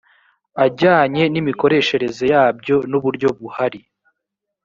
ajyanye n imikoreshereze yabyo n uburyo buhari